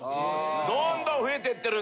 どんどん増えてってる。